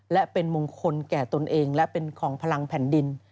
และเป็นมงคลแก่ตนเองและเป็นของพลังแผ่นดิน